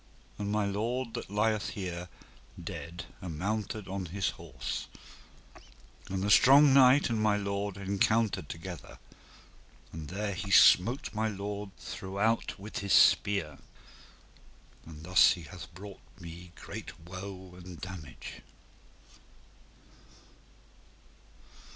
And my lord that lieth here dead amounted upon his horse, and the strong knight and my lord encountered together, and there he smote my lord throughout with his spear, and thus he hath brought me in great woe and damage.